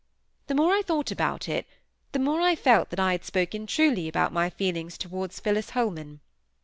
The more I thought about it, the more I felt that I had spoken truly about my feelings towards Phillis Holman.